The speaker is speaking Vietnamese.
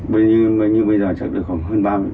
bây giờ chạy được khoảng hơn ba mươi